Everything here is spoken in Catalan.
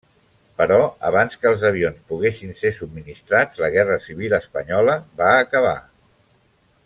Però, abans que els avions poguessin ser subministrats, la Guerra Civil espanyola va acabar.